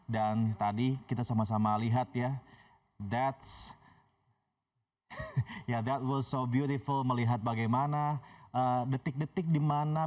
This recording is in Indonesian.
dan tadi kita sama sama lihat ya that's ya that was so beautiful melihat bagaimana detik detik di mana piringan